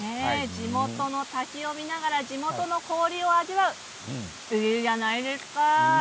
地元の滝を見ながら地元の氷を味わういいじゃないですか。